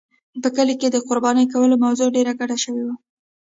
په کلي کې د قربانۍ کولو موضوع ډېره ګډه شوې وه.